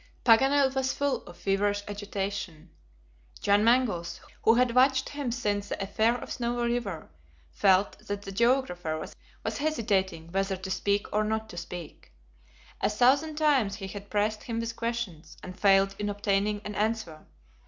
Paganel was full of feverish agitation. John Mangles, who had watched him since the affair at Snowy River, felt that the geographer was hesitating whether to speak or not to speak. A thousand times he had pressed him with questions, and failed in obtaining an answer.